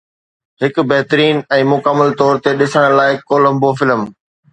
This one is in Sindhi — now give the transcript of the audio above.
هڪ بهترين ۽ مڪمل طور تي ڏسڻ لائق ڪولمبو فلم